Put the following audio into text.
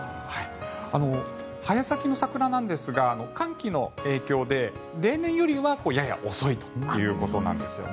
早咲きの桜なんですが寒気の影響で例年よりはやや遅いということですね。